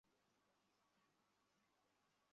গানটা সেই ছিলো না?